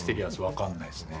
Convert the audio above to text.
分かんないですね。